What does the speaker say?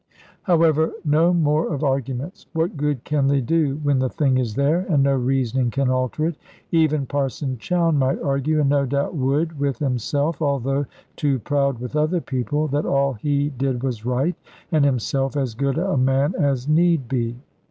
However, no more of arguments. What good can they do, when the thing is there, and no reasoning can alter it? Even Parson Chowne might argue, and no doubt would with himself (although too proud with other people), that all he did was right, and himself as good a man as need be.